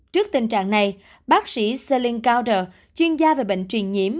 trước tình trạng này bác sĩ celine gouders chuyên gia về bệnh truyền nhiễm